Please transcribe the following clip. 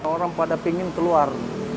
orang pada pingin keluar